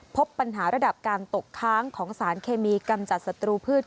พบปัญหาระดับการตกค้างของสารเคมีกำจัดศัตรูพืช